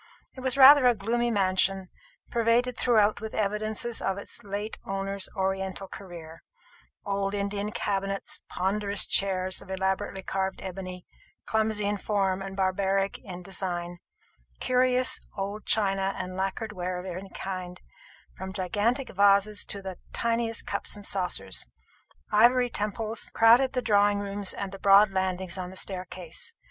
It was rather a gloomy mansion, pervaded throughout with evidences of its late owner's oriental career; old Indian cabinets; ponderous chairs of elaborately carved ebony, clumsy in form and barbaric in design; curious old china and lacquered ware of every kind, from gigantic vases to the tiniest cups and saucers; ivory temples, and gods in silver and clay, crowded the drawing rooms and the broad landings on the staircase.